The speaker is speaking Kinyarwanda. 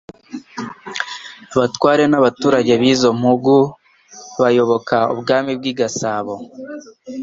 abatware n'abaturage b'izo mpugu bayoboka ubwami bw'i Gasabo.